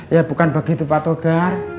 ya bukan begitu pak togar